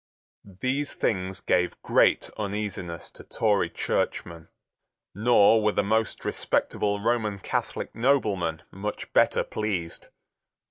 These things gave great uneasiness to Tory churchmen. Nor were the most respectable Roman Catholic noblemen much better pleased.